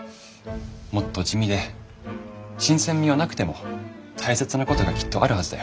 もっと地味で新鮮味はなくても大切なことがきっとあるはずだよ。